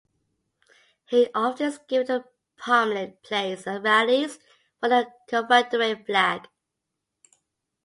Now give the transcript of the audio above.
He often is given a prominent place at rallies for the Confederate flag.